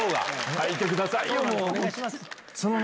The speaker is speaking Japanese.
履いてくださいよ、もう。